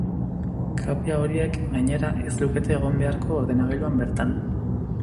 Kopia horiek, gainera, ez lukete egon beharko ordenagailuan bertan.